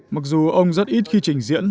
mặc dù ông rất ít khi trình diễn